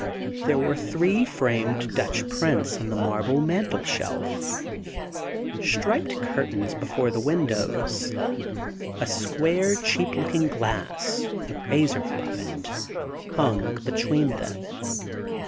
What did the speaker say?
There were three framed Dutch prints on the marble mantel shelf; striped curtains before the windows. A square, cheap looking glass, with a razor above it, hung between them.